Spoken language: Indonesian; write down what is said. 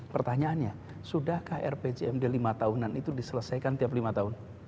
pertanyaannya sudahkah rpjmd lima tahunan itu diselesaikan tiap lima tahun